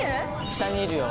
下にいるよ